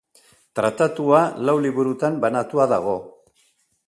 Tratatua lau liburutan banatua dago.